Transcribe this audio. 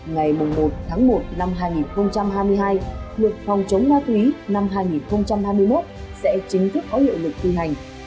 ngày một một một hai nghìn hai mươi hai luật phòng chống ma túy năm hai nghìn hai mươi một sẽ chính thức có hiệu lực tư hành